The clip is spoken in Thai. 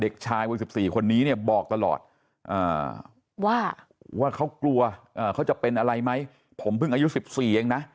เด็กชายวัย๑๔คนนี้เนี่ยบอกตลอดว่าเขากลัวเขาจะเป็นอะไรไหมผมเพิ่งอายุ๑๔เองนะ